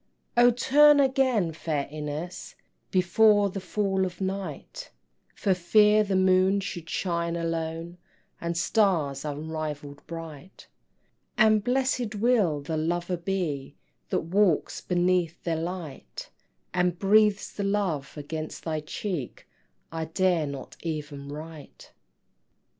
O turn again, fair Ines, Before the fall of night, For fear the moon should shine alone, And stars unrivall'd bright; And blessed will the lover be That walks beneath their light, And breathes the love against thy cheek I dare not even write!